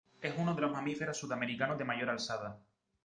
Es uno de los mamíferos sudamericanos de mayor alzada.